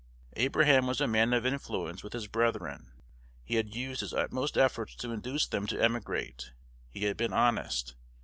Abraham was a man of influence with his brethren. He had used his utmost efforts to induce them to emigrate. He had been honest.